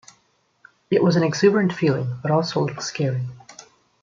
It was an exuberant feeling, but also a little scary.